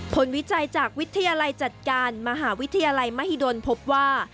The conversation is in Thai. วิจัยจากวิทยาลัยจัดการมหาวิทยาลัยมหิดลพบว่า